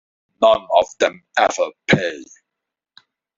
None of them ever pay.